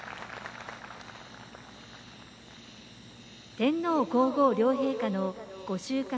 天皇皇后両陛下の御収穫